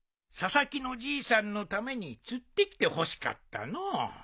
佐々木のじいさんのために釣ってきてほしかったのう。